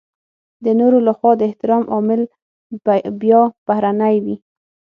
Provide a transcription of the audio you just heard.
د نورو لخوا د احترام عامل بيا بهرنی وي.